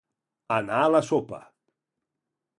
Anar a la sopa.